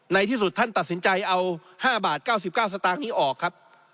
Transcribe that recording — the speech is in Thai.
ในที่สุดท่านตัดสินใจเอา๕บาท๙๙สตางค์นี้ออกครับ